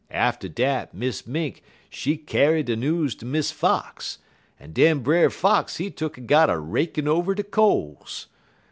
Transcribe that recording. Atter dat Miss Mink she kyar de news ter Miss Fox, en den Brer Fox he tuk'n got a rakin' over de coals.